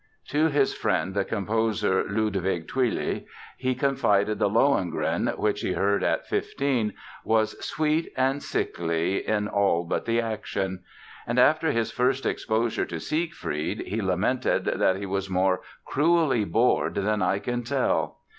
To his friend the composer, Ludwig Thuille, he confided that Lohengrin (which he heard at fifteen) was "sweet and sickly, in all but the action"; and after his first exposure to Siegfried he lamented that he was "more cruelly bored than I can tell!"